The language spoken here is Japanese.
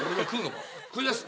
食います。